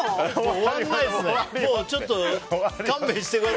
終わんないですね。